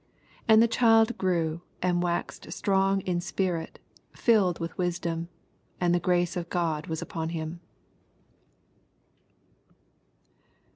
40 And the child grew, and waxed strong in spirit, filled with wisdom : and the grace of God was upon him.